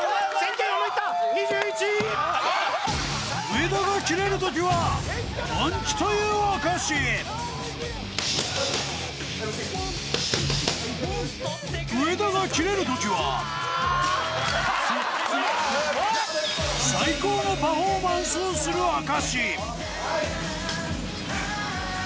上田がキレるときは、本気という証上田がキレるときは最高のパフォーマンスをする証。